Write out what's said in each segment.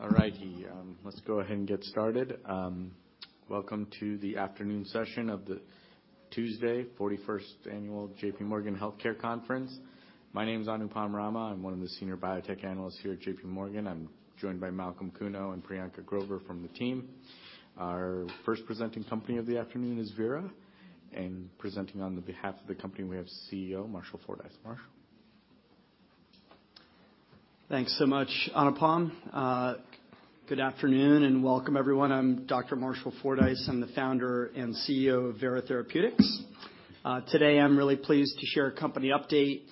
Alrighty. Let's go ahead and get started. Welcome to the afternoon session of the Tuesday 41st Annual JPMorgan Healthcare Conference. My name is Anupam Rama. I'm one of the senior biotech analysts here at JPMorgan. I'm joined by Malcolm Kuno and Priyanka Grover from the team. Our first presenting company of the afternoon is Vera, and presenting on the behalf of the company, we have CEO Marshall Fordyce. Marshall? Thanks so much, Anupam. Good afternoon and welcome everyone. I'm Dr. Marshall Fordyce. I'm the Founder and CEO of Vera Therapeutics. Today I'm really pleased to share a company update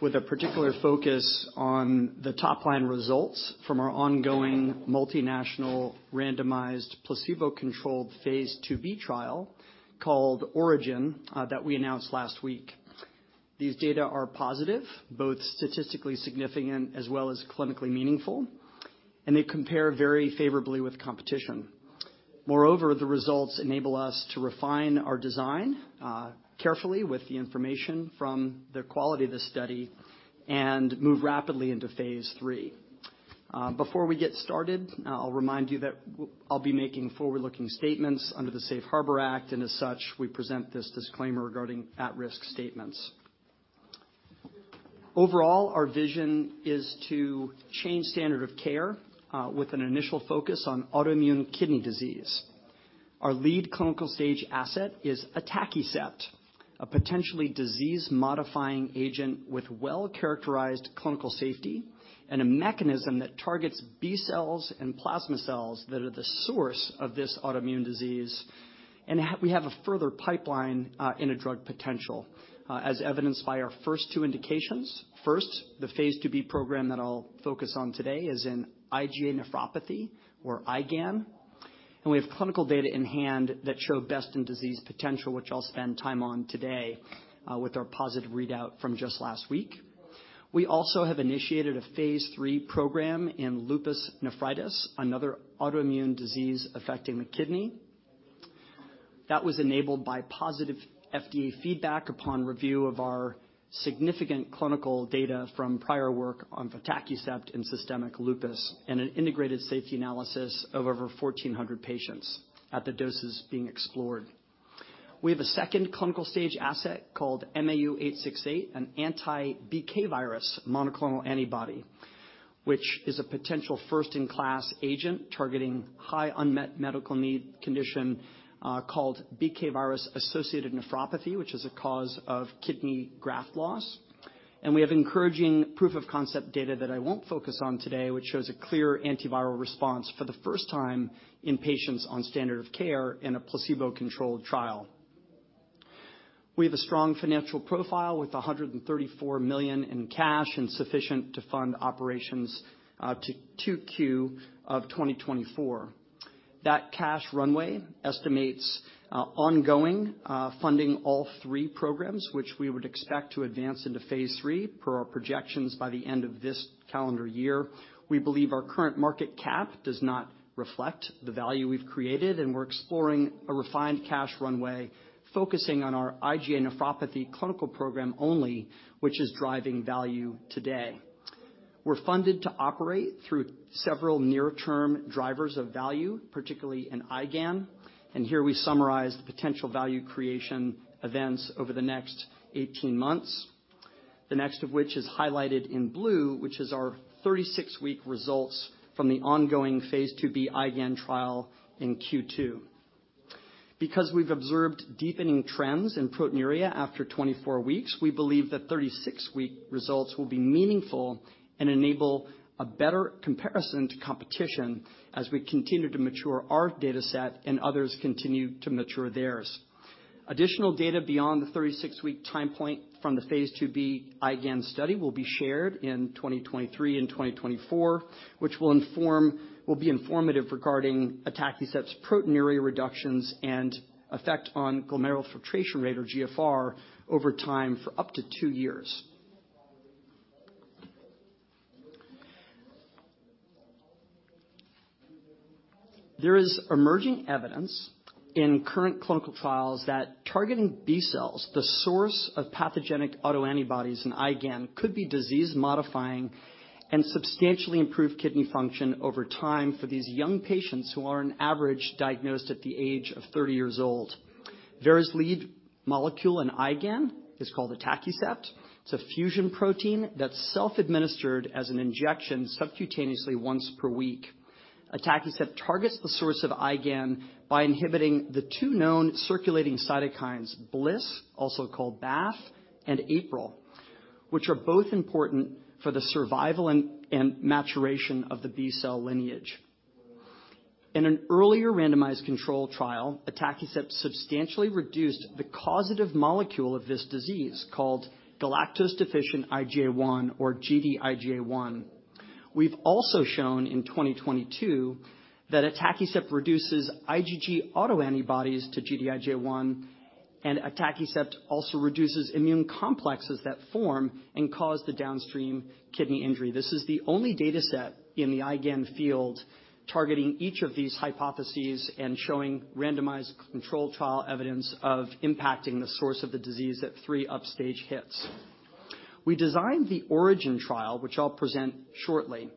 with a particular focus on the top line results from our ongoing multinational randomized placebo-controlled phase II-B trial called ORIGIN, that we announced last week. These data are positive, both statistically significant as well as clinically meaningful, and they compare very favorably with competition. Moreover, the results enable us to refine our design, carefully with the information from the quality of the study and move rapidly into phase III. Before we get started, I'll remind you that I'll be making forward-looking statements under the Safe Harbor Act, and as such, we present this disclaimer regarding at-risk statements. Overall, our vision is to change standard of care with an initial focus on autoimmune kidney disease. Our lead clinical stage asset is atacicept, a potentially disease-modifying agent with well-characterized clinical safety and a mechanism that targets B cells and plasma cells that are the source of this autoimmune disease. We have a further pipeline in a drug potential, as evidenced by our first two indications. First, the phase II-B program that I'll focus on today is in IgA nephropathy or IgAN, and we have clinical data in-hand that show best in disease potential, which I'll spend time on today with our positive readout from just last week. We also have initiated a phase III program in lupus nephritis, another autoimmune disease affecting the kidney. That was enabled by positive FDA feedback upon review of our significant clinical data from prior work on atacicept in systemic lupus and an integrated safety analysis of over 1,400 patients at the doses being explored. We have a second clinical stage asset called MAU868, an anti-BK virus monoclonal antibody, which is a potential first-in-class agent targeting high unmet medical need condition, called BK virus-associated nephropathy, which is a cause of kidney graft loss. We have encouraging proof of concept data that I won't focus on today, which shows a clear antiviral response for the first time in patients on standard of care in a placebo-controlled trial. We have a strong financial profile with $134 million in cash and sufficient to fund operations to 2Q of 2024. That cash runway estimates ongoing funding all three programs, which we would expect to advance into phase III per our projections by the end of this calendar year. We believe our current market cap does not reflect the value we've created, and we're exploring a refined cash runway focusing on our IgA nephropathy clinical program only, which is driving value today. We're funded to operate through several near-term drivers of value, particularly in IgAN, and here we summarize the potential value creation events over the next 18 months. The next of which is highlighted in blue, which is our 36-week results from the ongoing phase II-B IgAN trial in Q2. We've observed deepening trends in proteinuria after 24 weeks, we believe that 36-week results will be meaningful and enable a better comparison to competition as we continue to mature our dataset and others continue to mature theirs. Additional data beyond the 36-week time point from phase II-B IgAN study will be shared in 2023 and 2024, which will be informative regarding atacicept's proteinuria reductions and effect on glomerular filtration rate or GFR over time for up to two years. There is emerging evidence in current clinical trials that targeting B cells, the source of pathogenic autoantibodies in IgAN, could be disease-modifying and substantially improve kidney function over time for these young patients who are on average diagnosed at the age of 30 years old. Vera's lead molecule in IgAN is called atacicept. It's a fusion protein that's self-administered as an injection subcutaneously once per week. Atacicept targets the source of IgAN by inhibiting the two known circulating cytokines, BLyS, also called BAFF, and APRIL, which are both important for the survival and maturation of the B-cell lineage. In an earlier randomized controlled trial, atacicept substantially reduced the causative molecule of this disease called galactose-deficient IgA1 or Gd-IgA1. We've also shown in 2022 that atacicept reduces IgG autoantibodies to Gd-IgA1, and atacicept also reduces immune complexes that form and cause the downstream kidney injury. This is the only dataset in the IgAN field targeting each of these hypotheses and showing randomized controlled trial evidence of impacting the source of the disease at three upstage hits. We designed the ORIGIN trial, which I'll present shortly,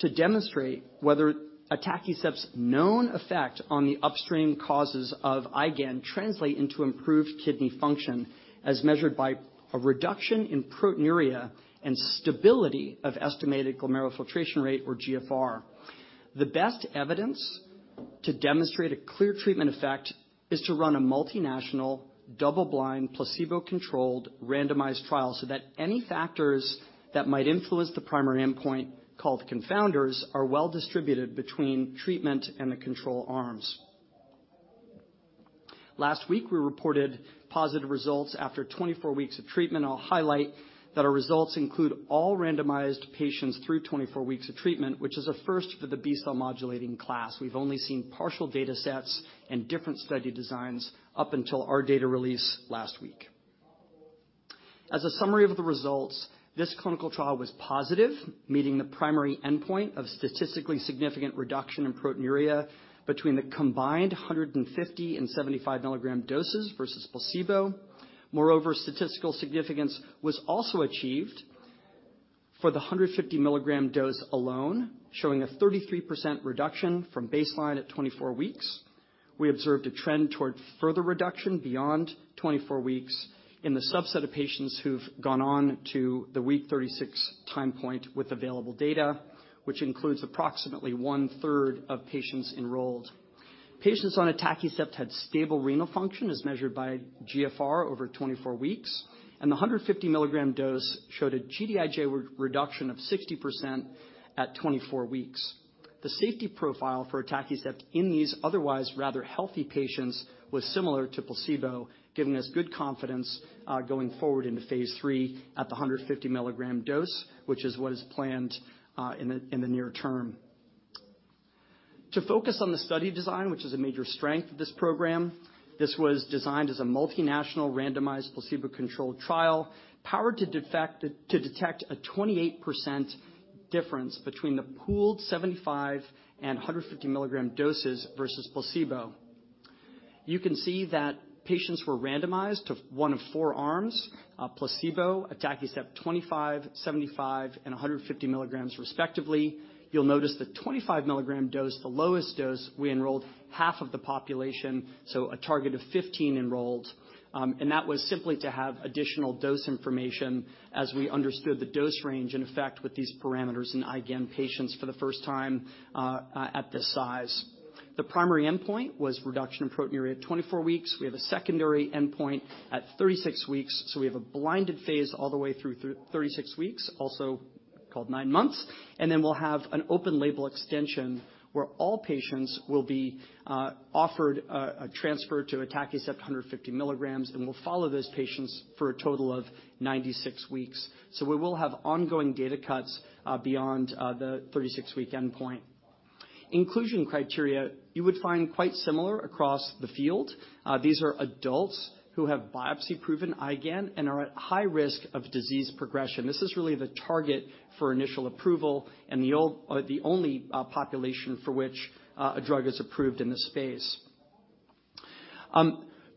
to demonstrate whether atacicept's known effect on the upstream causes of IgAN translate into improved kidney function as measured by a reduction in proteinuria and stability of estimated glomerular filtration rate or GFR. The best evidence to demonstrate a clear treatment effect is to run a multinational double-blind, placebo-controlled randomized trial so that any factors that might influence the primary endpoint called confounders are well-distributed between treatment and the control arms. Last week, we reported positive results after 24 weeks of treatment. I'll highlight that our results include all randomized patients through 24 weeks of treatment, which is a first for the B-cell modulating class. We've only seen partial data sets and different study designs up until our data release last week. As a summary of the results, this clinical trial was positive, meeting the primary endpoint of statistically significant reduction in proteinuria between the combined 150 mg and 75 mg doses versus placebo. Moreover, statistical significance was also achieved for the 150 mg dose alone, showing a 33% reduction from baseline at 24 weeks. We observed a trend toward further reduction beyond 24 weeks in the subset of patients who've gone on to the week 36 time point with available data, which includes approximately 1/3 of patients enrolled. Patients on atacicept had stable renal function as measured by GFR over 24 weeks, and the 150 mg dose showed a Gd-IgA1 reduction of 60% at 24 weeks. The safety profile for atacicept in these otherwise rather healthy patients was similar to placebo, giving us good confidence going forward into phase III at the 150 mg dose, which is what is planned in the near term. To focus on the study design, which is a major strength of this program, this was designed as a multinational randomized placebo-controlled trial, powered to detect a 28% difference between the pooled 75 mg and 150 mg doses versus placebo. You can see that patients were randomized to one of four arms, placebo, atacicept 25 mg, 75 mg, and 150 mg respectively. You'll notice the 25 mg dose, the lowest dose, we enrolled half of the population, so a target of 15 enrolled. That was simply to have additional dose information as we understood the dose range in effect with these parameters in IgAN patients for the first time at this size. The primary endpoint was reduction in proteinuria at 24 weeks. We have a secondary endpoint at 36 weeks. We have a blinded phase all the way through 36 weeks, also called nine months. Then we'll have an open label extension where all patients will be offered a transfer to atacicept 150 mg, and we'll follow those patients for a total of 96 weeks. We will have ongoing data cuts beyond the 36-week endpoint. Inclusion criteria you would find quite similar across the field. These are adults who have biopsy-proven IgAN and are at high risk of disease progression. This is really the target for initial approval and the only population for which a drug is approved in this space.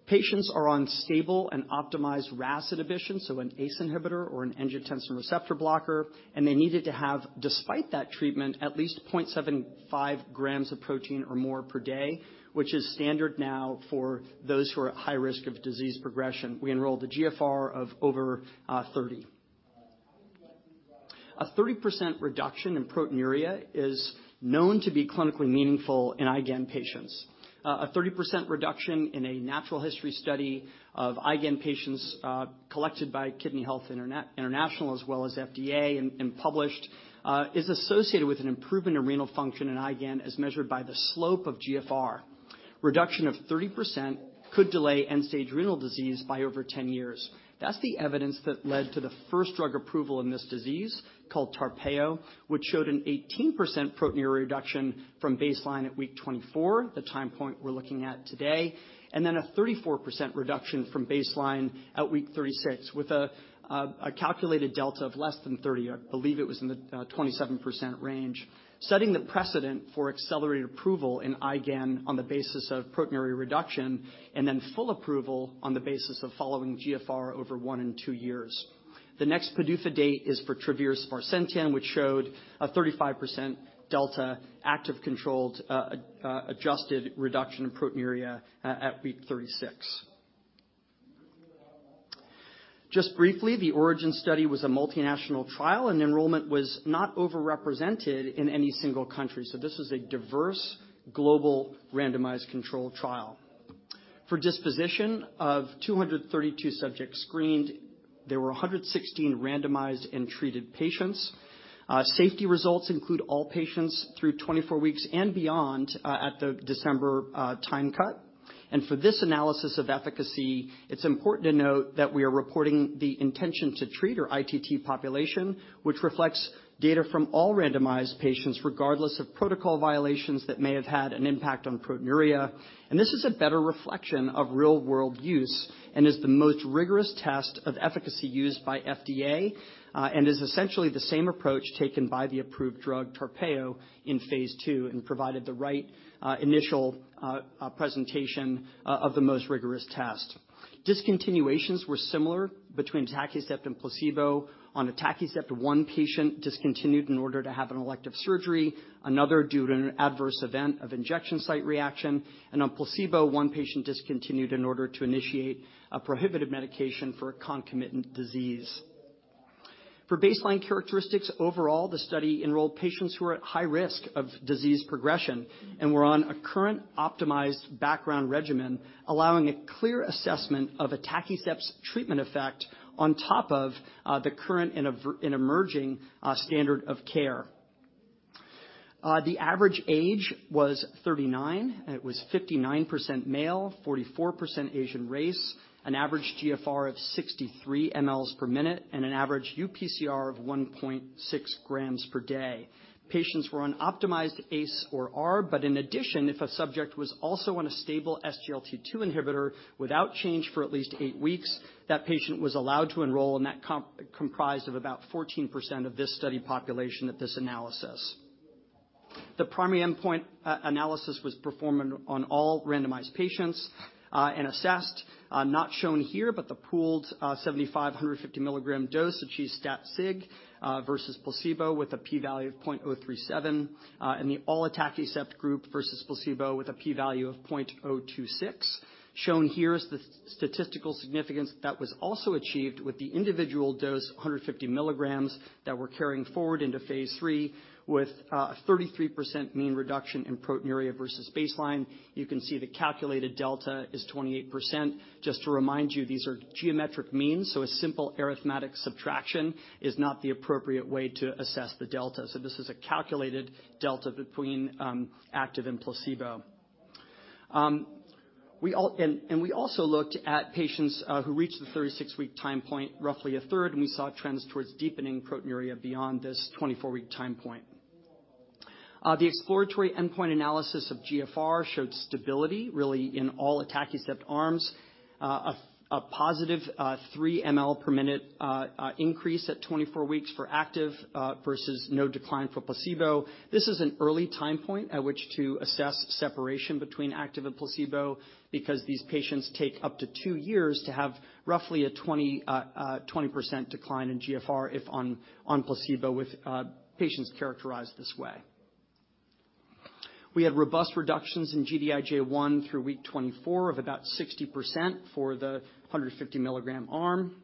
Patients are on stable and optimized RAS inhibition, so an ACE inhibitor or an angiotensin receptor blocker. They needed to have, despite that treatment, at least 0.75 g of protein or more per day, which is standard now for those who are at high risk of disease progression. We enrolled a GFR of over 30. A 30% reduction in proteinuria is known to be clinically meaningful in IgAN patients. A 30% reduction in a natural history study of IgAN patients collected by Kidney Health Initiative as well as FDA and published is associated with an improvement in renal function in IgAN as measured by the slope of GFR. Reduction of 30% could delay end-stage renal disease by over 10 years. That's the evidence that led to the first drug approval in this disease called TARPEYO, which showed an 18% proteinuria reduction from baseline at week 24, the time point we're looking at today. A 34% reduction from baseline at week 36 with a calculated delta of less than 30%. I believe it was in the 27% range. Setting the precedent for accelerated approval in IgAN on the basis of proteinuria reduction and then full approval on the basis of following GFR over one and two years. The next PDUFA date is for Travere's sparsentan, which showed a 35% delta active controlled adjusted reduction in proteinuria at week 36. Just briefly, the ORIGIN study was a multinational trial, enrollment was not over-represented in any single country. This is a diverse global randomized controlled trial. For disposition of 232 subjects screened, there were 116 randomized and treated patients. Safety results include all patients through 24 weeks and beyond, at the December time cut. For this analysis of efficacy, it's important to note that we are reporting the intention-to-treat or ITT population, which reflects data from all randomized patients regardless of protocol violations that may have had an impact on proteinuria. This is a better reflection of real world use, and is the most rigorous test of efficacy used by FDA, and is essentially the same approach taken by the approved drug TARPEYO in phase II and provided the right initial presentation of the most rigorous test. Discontinuations were similar between atacicept and placebo. On atacicept, one patient discontinued in order to have an elective surgery, another due to an adverse event of injection site reaction, and on placebo, one patient discontinued in order to initiate a prohibited medication for a concomitant disease. For baseline characteristics, overall, the study enrolled patients who were at high risk of disease progression and were on a current optimized background regimen, allowing a clear assessment of atacicept's treatment effect on top of the current and emerging standard of care. The average age was 39. It was 59% male, 44% Asian race, an average GFR of 63 mls per minute, and an average UPCR of 1.6 g/day. Patients were on optimized ACE or ARB. In addition, if a subject was also on a stable SGLT2 inhibitor without change for at least eight weeks, that patient was allowed to enroll, and that comprised of about 14% of this study population at this analysis. The primary endpoint analysis was performed on all randomized patients and assessed. Not shown here, the pooled 75/150 mg dose achieved stat sig versus placebo with a p-value of 0.037 in the all atacicept group versus placebo with a p-value of 0.026. Shown here is the statistical significance that was also achieved with the individual dose, 150 mg, that we're carrying forward into phase III with 33% mean reduction in proteinuria versus baseline. You can see the calculated delta is 28%. Just to remind you, these are geometric means, so a simple arithmetic subtraction is not the appropriate way to assess the delta. This is a calculated delta between active and placebo. We also looked at patients who reached the 36-week time point, roughly a third, and we saw trends towards deepening proteinuria beyond this 24-week time point. The exploratory endpoint analysis of GFR showed stability really in all atacicept arms. A positive 3 ml/min increase at 24 weeks for active versus no decline for placebo. This is an early time point at which to assess separation between active and placebo because these patients take up to two years to have roughly a 20% decline in GFR if on placebo with patients characterized this way. We had robust reductions in Gd-IgA1 through week 24 of about 60% for the 150 mg arm,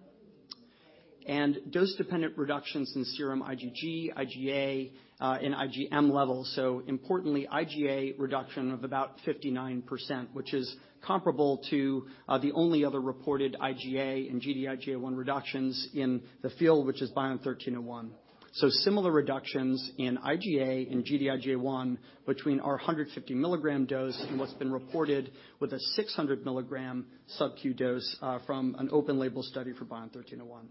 and dose-dependent reductions in serum IgG, IgA, and IgM levels. Importantly, IgA reduction of about 59%, which is comparable to the only other reported IgA and Gd-IgA1 reductions in the field, which is BION-1301. Similar reductions in IgA and Gd-IgA1 between our 150 mg dose and what's been reported with a 600 mg subQ dose from an open label study for BION-1301.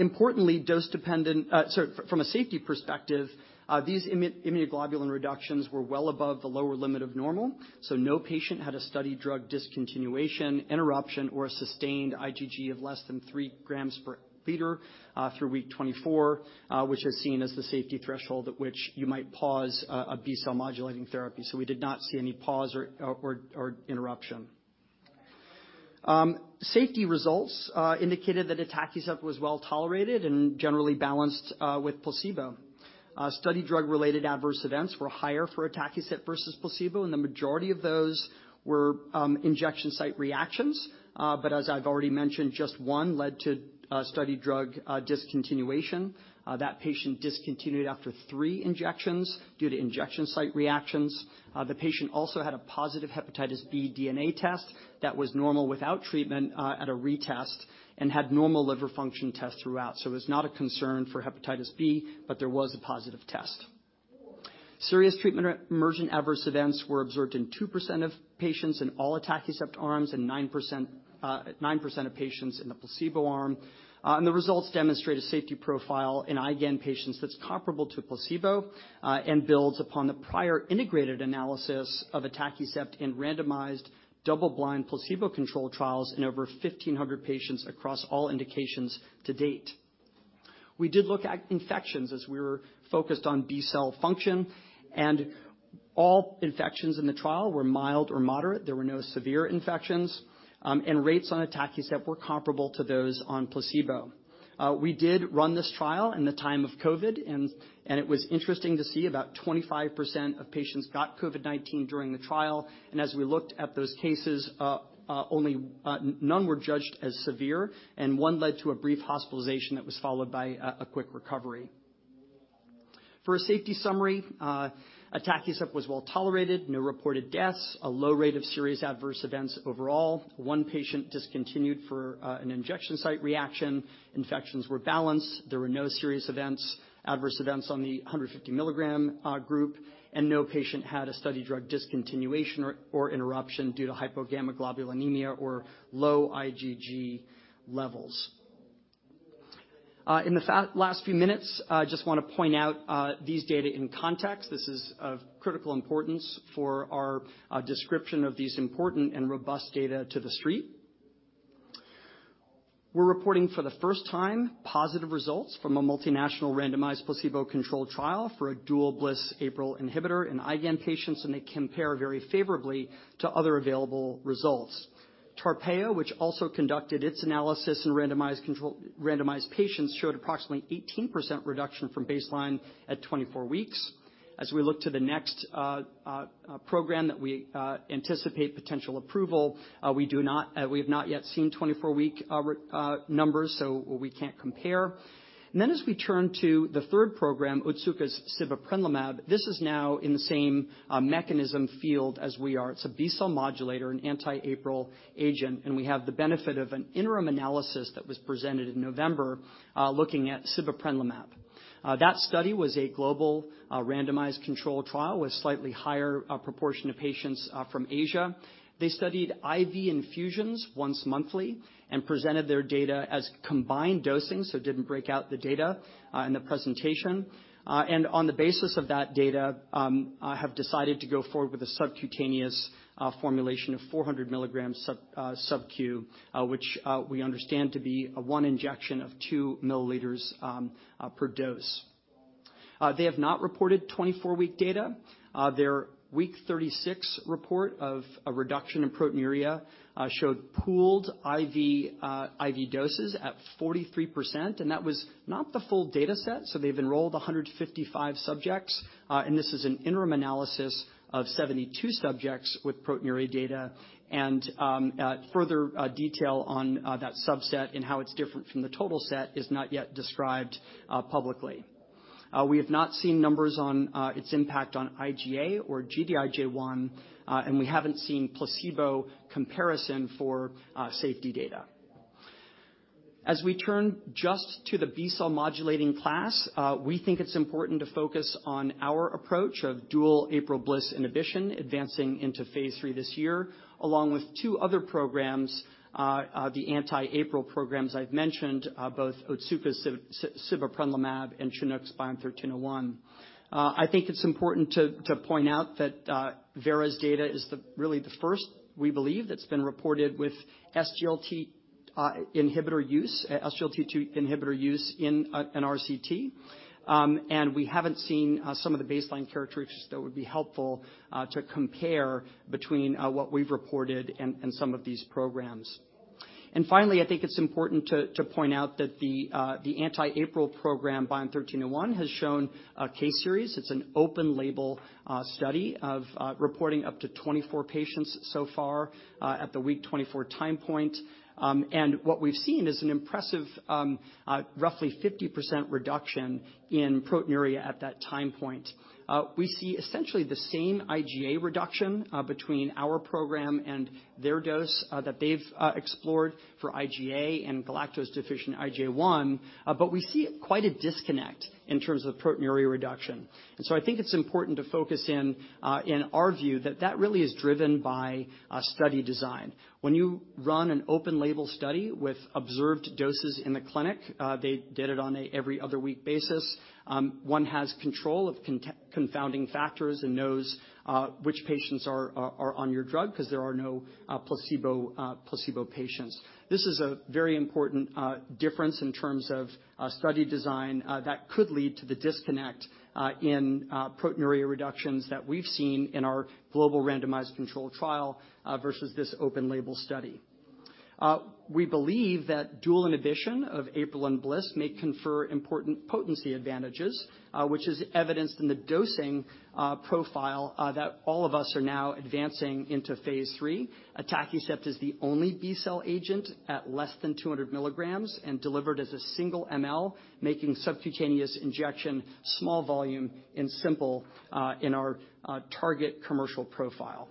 Importantly, dose-dependent, sorry, from a safety perspective, these immunoglobulin reductions were well above the lower limit of normal. No patient had a study drug discontinuation, interruption, or a sustained IgG of less than 3 g/L through week 24, which is seen as the safety threshold at which you might pause a B-cell modulating therapy. We did not see any pause or interruption. Safety results indicated that atacicept was well-tolerated and generally balanced with placebo. Study drug-related adverse events were higher for atacicept versus placebo, and the majority of those were injection site reactions. As I've already mentioned, just one led to study drug discontinuation. That patient discontinued after three injections due to injection site reactions. The patient also had a positive hepatitis B DNA test that was normal without treatment at a retest and had normal liver function tests throughout. It was not a concern for hepatitis B, but there was a positive test. Serious treatment-emergent adverse events were observed in 2% of patients in all atacicept arms and 9% of patients in the placebo arm. The results demonstrate a safety profile in IgAN patients that's comparable to placebo and builds upon the prior integrated analysis of atacicept in randomized double-blind placebo-controlled trials in over 1,500 patients across all indications to date. We did look at infections as we were focused on B-cell function, and all infections in the trial were mild or moderate. There were no severe infections. Rates on atacicept were comparable to those on placebo. We did run this trial in the time of COVID-19, and it was interesting to see about 25% of patients got COVID-19 during the trial. As we looked at those cases, only none were judged as severe, and one led to a brief hospitalization that was followed by a quick recovery. For a safety summary, atacicept was well-tolerated, no reported deaths, a low rate of serious adverse events overall. One patient discontinued for an injection site reaction. Infections were balanced. There were no serious events, adverse events on the 150 mg group. No patient had a study drug discontinuation or interruption due to hypogammaglobulinemia or low IgG levels. In the last few minutes, I just wanna point out these data in context. This is of critical importance for our description of these important and robust data to the street. We're reporting for the first time positive results from a multinational randomized placebo-controlled trial for a dual BLyS/APRIL inhibitor in IgAN patients, and they compare very favorably to other available results. TARPEYO, which also conducted its analysis in randomized patients, showed approximately 18% reduction from baseline at 24 weeks. As we look to the next program that we anticipate potential approval, we have not yet seen 24-week numbers, so we can't compare. As we turn to the third program, Otsuka's sibeprenlimab, this is now in the same mechanism field as we are. It's a B-cell modulator and anti-APRIL agent, and we have the benefit of an interim analysis that was presented in November, looking at sibeprenlimab. That study was a global, randomized controlled trial with slightly higher proportion of patients from Asia. They studied IV infusions once monthly and presented their data as combined dosing, so didn't break out the data in the presentation. On the basis of that data, have decided to go forward with a subcutaneous formulation of 400 mg subQ, which we understand to be a one injection of 2 mL/dose. They have not reported 24-week data. Their week 36 report of a reduction in proteinuria showed pooled IV doses at 43%. That was not the full data set, so they've enrolled 155 subjects. This is an interim analysis of 72 subjects with proteinuria data and further detail on that subset and how it's different from the total set is not yet described publicly. We have not seen numbers on its impact on IgA or Gd-IgA1, and we haven't seen placebo comparison for safety data. As we turn just to the B-cell modulating class, we think it's important to focus on our approach of dual APRIL BLyS inhibition advancing into phase III this year, along with two other programs, the anti-APRIL programs I've mentioned, both Otsuka's sibeprenlimab and Chinook's BION-1301. I think it's important to point out that Vera's data is really the first, we believe, that's been reported with SGLT inhibitor use, SGLT2 inhibitor use in an RCT. We haven't seen some of the baseline characteristics that would be helpful to compare between what we've reported and some of these programs. Finally, I think it's important to point out that the anti-APRIL program, BION-1301, has shown a case series. It's an open label study of reporting up to 24 patients so far at the week 24 time point. What we've seen is an impressive, roughly 50% reduction in proteinuria at that time point. We see essentially the same IgA reduction between our program and their dose that they've explored for IgA and galactose-deficient IgA1, but we see quite a disconnect in terms of proteinuria reduction. I think it's important to focus in our view that that really is driven by a study design. When you run an open label study with observed doses in the clinic, they did it on a every other week basis. One has control of confounding factors and knows which patients are on your drug because there are no placebo patients. This is a very important difference in terms of study design that could lead to the disconnect in proteinuria reductions that we've seen in our global randomized controlled trial versus this open label study. Uh, we believe that dual inhibition of APRIL and BLyS may confer important potency advantages, uh, which is evidenced in the dosing, uh, profile, uh, that all of us are now advancing into phase III. Atacicept is the only B-cell agent at less than 200 mg and delivered as a single ML, making subcutaneous injection small volume and simple, uh, in our, uh, target commercial profile.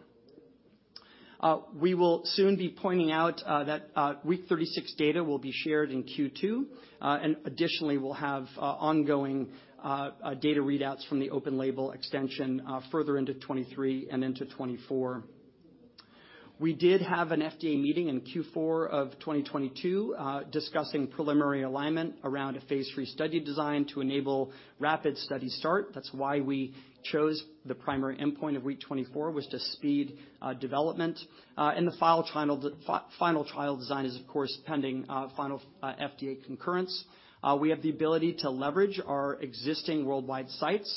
Uh, we will soon be pointing out, uh, that, uh, week 36 data will be shared in Q2. Uh, and additionally, we'll have, uh, ongoing, uh, uh, data readouts from the open label extension, uh, further into 2023 and into 2024. We did have an FDA meeting in Q4 of 2022, uh, discussing preliminary alignment around a phase III study design to enable rapid study start. That's why we chose the primary endpoint of week 24, was to speed, uh, development. The final trial design is of course, pending final FDA concurrence. We have the ability to leverage our existing worldwide sites.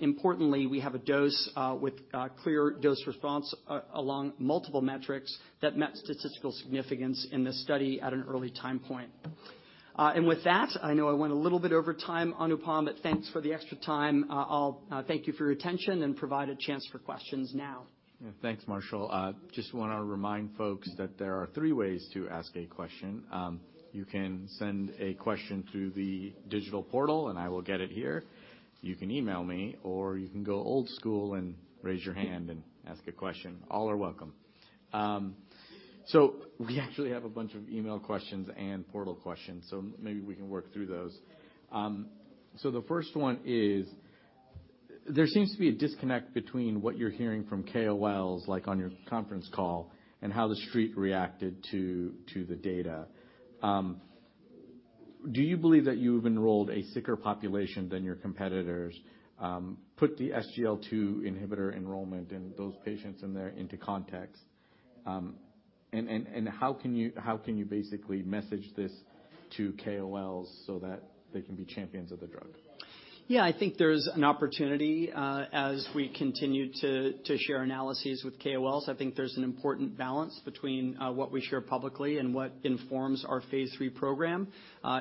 Importantly, we have a dose with clear dose response along multiple metrics that met statistical significance in this study at an early time point. With that, I know I went a little bit over time, Anupam, but thanks for the extra time. I'll thank you for your attention and provide a chance for questions now. Yeah. Thanks, Marshall. Just want to remind folks that there are three ways to ask a question. You can send a question through the digital portal, and I will get it here. You can email me, or you can go old school and raise your hand and ask a question. All are welcome. We actually have a bunch of email questions and portal questions, so maybe we can work through those. The first one is, there seems to be a disconnect between what you're hearing from KOLs, like on your conference call, and how the street reacted to the data. Do you believe that you've enrolled a sicker population than your competitors? Put the SGLT2 inhibitor enrollment and those patients in there into context. How can you basically message this to KOLs so that they can be champions of the drug? Yeah. I think there's an opportunity, as we continue to share analyses with KOLs. I think there's an important balance between what we share publicly and what informs our phase III program.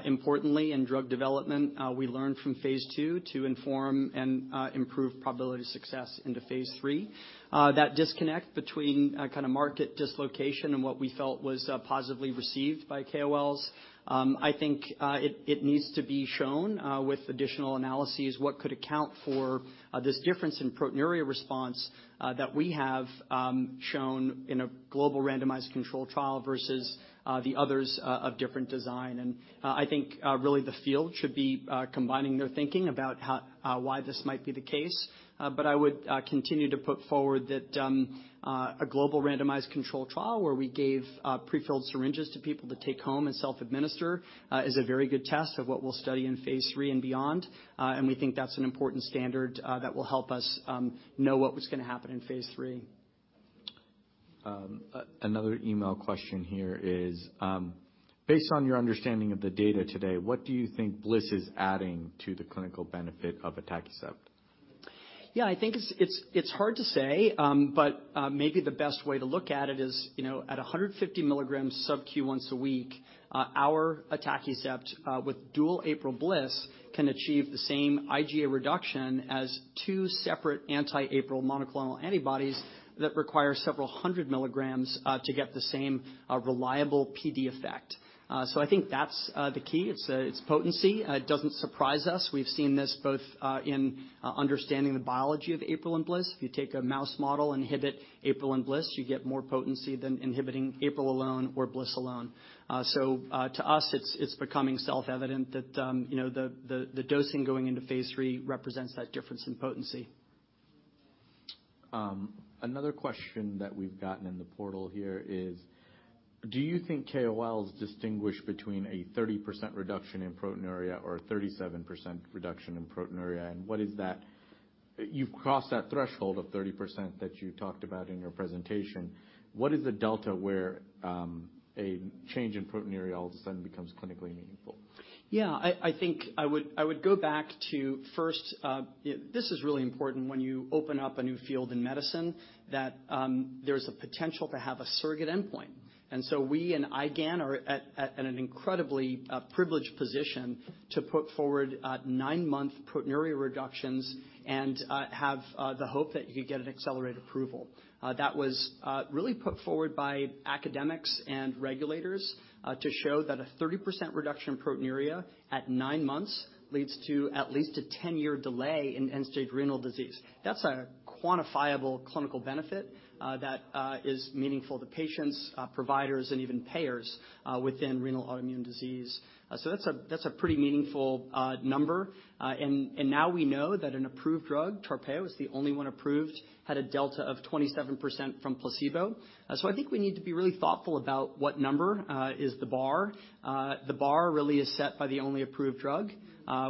Importantly, in drug development, we learn from phase II to inform and improve probability of success into phase III. That disconnect between kinda market dislocation and what we felt was positively received by KOLs, I think it needs to be shown with additional analyses what could account for this difference in proteinuria response that we have shown in a global randomized controlled trial versus the others of different design. I think really the field should be combining their thinking about how why this might be the case. I would continue to put forward that a global randomized controlled trial where we gave prefilled syringes to people to take home and self-administer is a very good test of what we'll study in phase III and beyond. We think that's an important standard that will help us know what was going to happen in phase III. Another email question here is, based on your understanding of the data today, what do you think BLyS is adding to the clinical benefit of atacicept? Yeah. I think it's hard to say. But maybe the best way to look at it is, you know, at 150 mg subQ once a week, our atacicept with dual APRIL BLyS can achieve the same IgA reduction as two separate anti-APRIL monoclonal antibodies that require several hundred mgs to get the same reliable PD effect. So I think that's the key. It's potency. It doesn't surprise us. We've seen this both in understanding the biology of APRIL and BLyS. If you take a mouse model, inhibit APRIL and BLyS, you get more potency than inhibiting APRIL alone or BLyS alone. So to us, it's becoming self-evident that, you know, the dosing going into phase III represents that difference in potency. Another question that we've gotten in the portal here is, do you think KOLs distinguish between a 30% reduction in proteinuria or a 37% reduction in proteinuria? You've crossed that threshold of 30% that you talked about in your presentation. What is the delta where a change in proteinuria all of a sudden becomes clinically meaningful? I think I would go back to first, this is really important when you open up a new field in medicine, that there's a potential to have a surrogate endpoint. We in IgAN are at an incredibly privileged position to put forward a nine-month proteinuria reductions and have the hope that you could get an accelerated approval. That was really put forward by academics and regulators to show that a 30% reduction in proteinuria at nine months leads to at least a 10-year delay in end-stage renal disease. That's a quantifiable clinical benefit that is meaningful to patients, providers, and even payers within renal autoimmune disease. That's a pretty meaningful number. Now we know that an approved drug, TARPEYO is the only one approved, had a delta of 27% from placebo. I think we need to be really thoughtful about what number is the bar. The bar really is set by the only approved drug,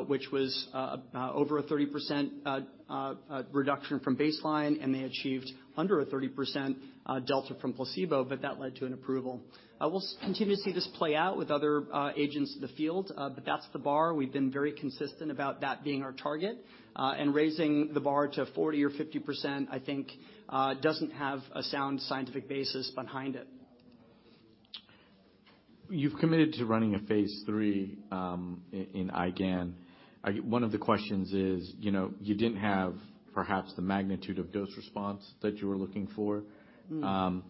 which was over a 30% reduction from baseline, and they achieved under a 30% delta from placebo, but that led to an approval. We'll continue to see this play out with other agents in the field, but that's the bar. We've been very consistent about that being our target. Raising the bar to 40% or 50%, I think, doesn't have a sound scientific basis behind it. You've committed to running a phase III, in IgAN. One of the questions is, you know, you didn't have perhaps the magnitude of dose response that you were looking for. Mm.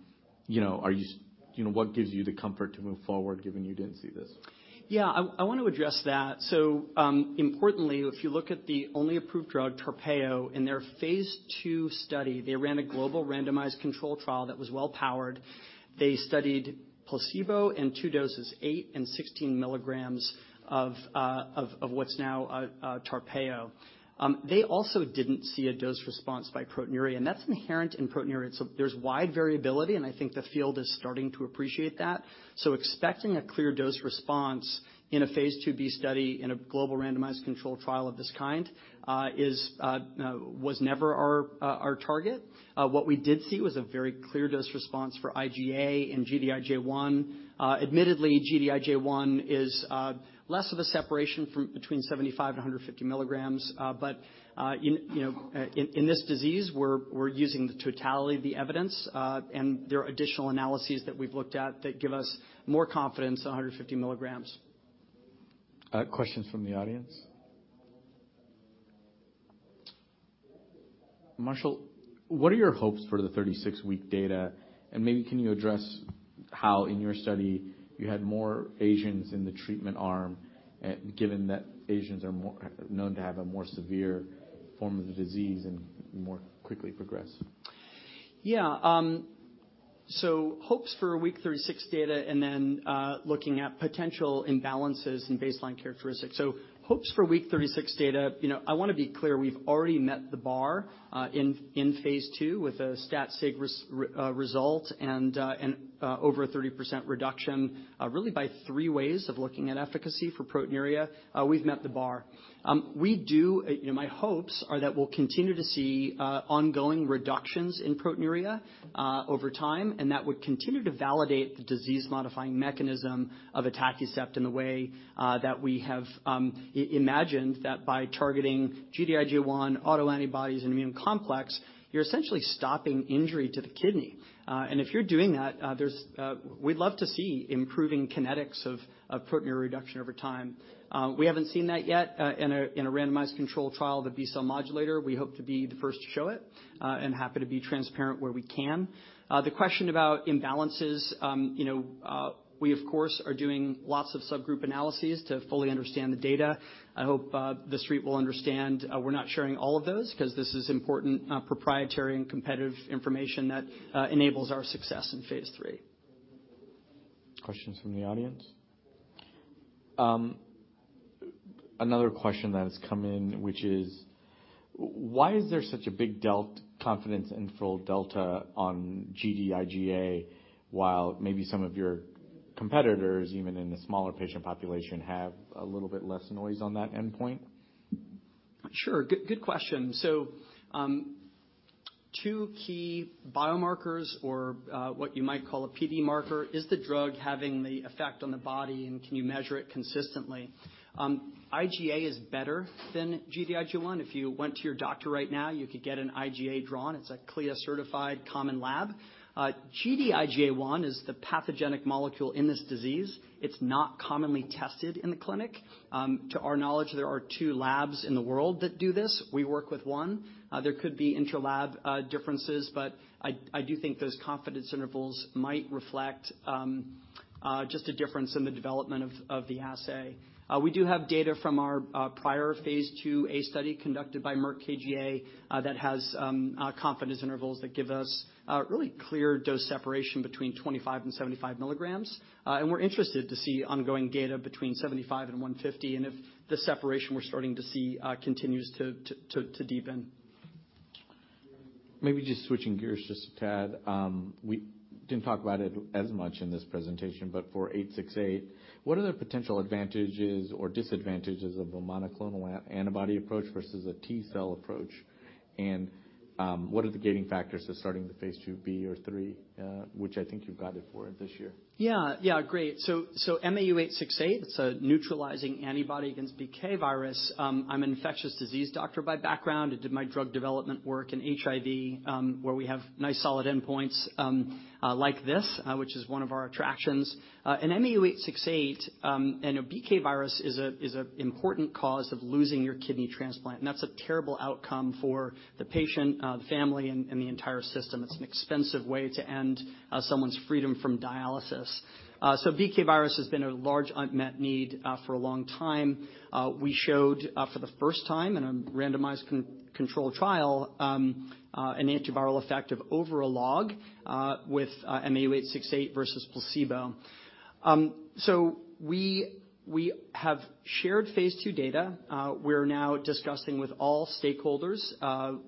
You know, what gives you the comfort to move forward given you didn't see this? Yeah. I wanna address that. Importantly, if you look at the only approved drug, TARPEYO, in their phase II study, they ran a global randomized control trial that was well powered. They studied placebo in two doses, 8 mg and 16 mg of what's now TARPEYO. They also didn't see a dose response by proteinuria, and that's inherent in proteinuria. There's wide variability, and I think the field is starting to appreciate that. Expecting a clear dose response in a phase II-B study in a global randomized controlled trial of this kind was never our target. What we did see was a very clear dose response for IgA and Gd-IgA1. Admittedly, Gd-IgA1 is less of a separation from between 75 mg and 150 mg. In, you know, in this disease, we're using the totality of the evidence. There are additional analyses that we've looked at that give us more confidence on 150 mg. Questions from the audience? Marshall, what are your hopes for the 36-week data? Maybe can you address how in your study you had more Asians in the treatment arm, given that Asians are known to have a more severe form of the disease and more quickly progress? Hopes for week 36 data and then looking at potential imbalances in baseline characteristics. Hopes for week 36 data, you know, I wanna be clear, we've already met the bar in phase II with a statistical significance result and over a 30% reduction really by three ways of looking at efficacy for proteinuria. We've met the bar. You know, my hopes are that we'll continue to see ongoing reductions in proteinuria over time, and that would continue to validate the disease-modifying mechanism of atacicept in the way that we have imagined that by targeting Gd-IgA1 autoantibodies immune complex, you're essentially stopping injury to the kidney. And if you're doing that, We'd love to see improving kinetics of proteinuria reduction over time. We haven't seen that yet in a randomized control trial, the B-cell modulator. We hope to be the first to show it and happy to be transparent where we can. The question about imbalances, you know, we, of course, are doing lots of subgroup analyses to fully understand the data. I hope the Street will understand, we're not sharing all of those 'cause this is important proprietary and competitive information that enables our success in phase III. Questions from the audience? Another question that has come in, which is why is there such a big confidence interval delta on Gd-IgA1, while maybe some of your competitors, even in the smaller patient population, have a little bit less noise on that endpoint? Sure. Good question. Two key biomarkers or, what you might call a PD marker, is the drug having the effect on the body, and can you measure it consistently? IgA is better than Gd-IgA1. If you went to your doctor right now, you could get an IgA drawn. It's a CLIA-certified common lab. Gd-IgA1 is the pathogenic molecule in this disease. It's not commonly tested in the clinic. To our knowledge, there are two labs in the world that do this. We work with one. There could be intra-lab, differences, but I do think those confidence intervals might reflect, just a difference in the development of the assay. We do have data from our prior phase II-A study conducted by Merck KGaA that has confidence intervals that give us really clear dose separation between 25 mg and 75 mg. We are interested to see ongoing data between 75 mg and 150 mg, and if the separation we are starting to see continues to deepen. Maybe just switching gears just a tad. We didn't talk about it as much in this presentation, but for MAU868, what are the potential advantages or disadvantages of a monoclonal antibody approach versus a T-cell approach? What are the gating factors to starting phase II-B or III, which I think you've guided for this year? Yeah. Yeah. Great. MAU868, it's a neutralizing antibody against BK virus. I'm an infectious disease doctor by background and did my drug development work in HIV, where we have nice solid endpoints, like this, which is one of our attractions. MAU868, and a BK virus is a important cause of losing your kidney transplant, and that's a terrible outcome for the patient, the family, and the entire system. It's an expensive way to end someone's freedom from dialysis. BK virus has been a large unmet need for a long time. We showed for the first time in a randomized control trial an antiviral effect of over a log with MAU868 versus placebo. We have shared phase II data. We're now discussing with all stakeholders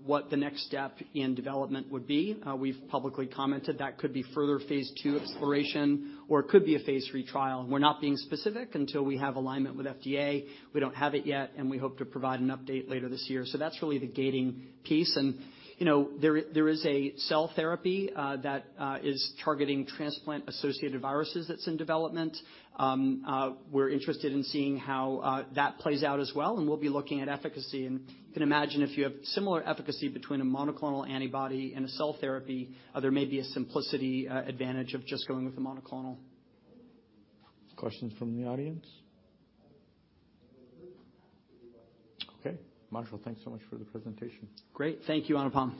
what the next step in development would be. We've publicly commented that could be further phase II exploration or it could be a phase III trial. We're not being specific until we have alignment with FDA. We don't have it yet. We hope to provide an update later this year. That's really the gating piece. You know, there is a cell therapy that is targeting transplant-associated viruses that's in development. We're interested in seeing how that plays out as well. We'll be looking at efficacy. You can imagine if you have similar efficacy between a monoclonal antibody and a cell therapy, there may be a simplicity advantage of just going with the monoclonal. Questions from the audience? Okay. Marshall, thanks so much for the presentation. Great. Thank you, Anupam.